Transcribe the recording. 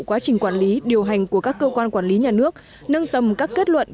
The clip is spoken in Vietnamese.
quá trình quản lý điều hành của các cơ quan quản lý nhà nước nâng tầm các kết luận